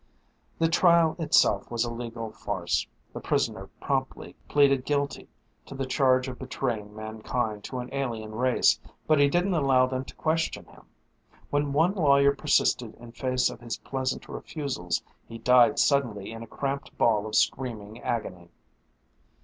The trial itself was a legal farce. The prisoner promptly pleaded guilty to the charge of betraying mankind to an alien race, but he didn't allow them to question him. When one lawyer persisted in face of his pleasant refusals, he died suddenly in a cramped ball of screaming agony.